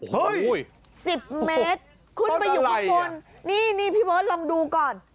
เฮ้ย๑๐เมตรขึ้นไปอยู่ข้างบนนี่นี่พี่เบิร์ตลองดูก่อน